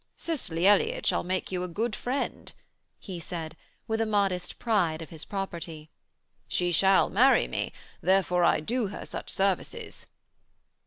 'Cicely Elliott shall make you a good friend,' he said, with a modest pride of his property; 'she shall marry me, therefore I do her such services.'